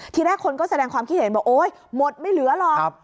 ทีแรกคนก็แสดงความคิดเห็นบอกโอ๊ยหมดไม่เหลือหรอก